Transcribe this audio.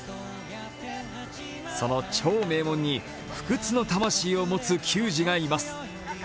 その超名門に不屈の魂を持つ球児がいます。